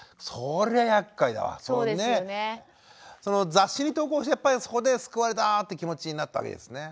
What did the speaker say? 雑誌に投稿してやっぱりそこで救われたって気持ちになったわけですね。